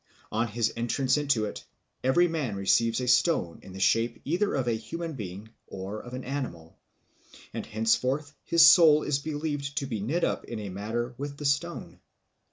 On his entrance into it every man receives a stone in the shape either of a human being or of an animal, and henceforth his soul is believed to be knit up in a manner with the stone.